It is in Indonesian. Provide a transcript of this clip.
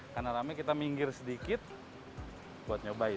karena rame kita minggir sedikit buat nyobain